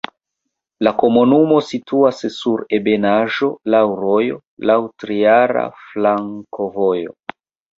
La komunumo situas sur ebenaĵo, laŭ rojo, laŭ traira flankovojo.